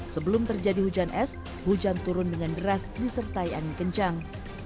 sebelum terjadi hujan es hujan turun dengan deras disertai angin kencang